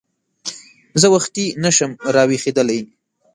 زه وختي نه شم راویښېدلی !